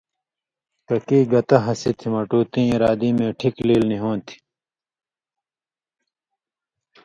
ککی گتہ ہسی تھی”مٹو تیں ارادی مے ٹھِک لیل نی ہوں تھی“۔